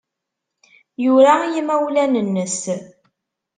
Yura i yimawlan-nnes.